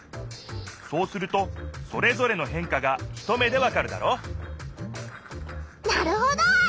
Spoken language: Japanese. そうするとそれぞれの変化が一目でわかるだろなるほど！